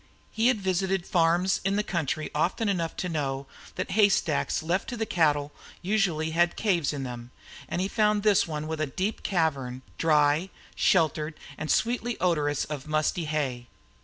He had visited farms in the country often enough to know that haystacks left to the cattle usually had caves in them; and he found this one with a deep cavern, dry, sheltered, and sweetly odorous of musty hay.